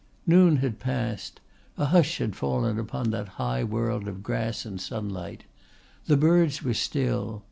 Noon had passed. A hush had fallen upon that high world of grass and sunlight. The birds were still.